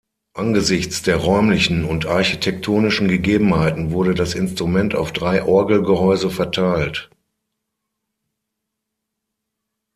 Angesichts der räumlichen und architektonischen Gegebenheiten wurde das Instrument auf drei Orgelgehäuse verteilt.